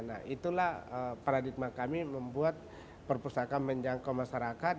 nah itulah paradigma kami membuat perpustakaan menjangkau masyarakat